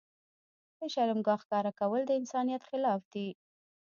د شرمګاه ښکاره کول د انسانيت خلاف دي.